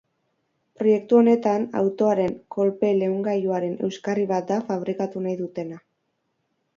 Proiektu honetan, autoaren kolpe-leungailuaren euskarri bat da fabrikatu nahi dutena.